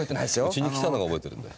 うちに来たのは覚えてるんだよ。